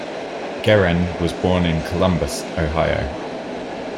Geren was born in Columbus, Ohio.